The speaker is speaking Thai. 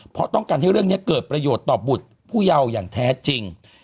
เพราะต้องการให้เรื่องนี้เกิดประโยชน์ต่อบุตรผู้เยาว์อย่างแท้จริง